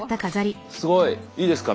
すごい！いいですか？